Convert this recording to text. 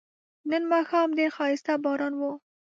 نن ماښام ډیر خایسته باران و